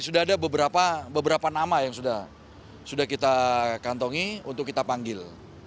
sudah ada beberapa nama yang sudah kita kantongi untuk kita panggil